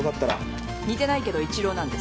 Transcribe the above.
似てないけどイチローなんです。